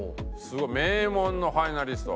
名門のファイナリスト。